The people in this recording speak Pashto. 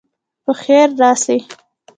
په خیر راسئ.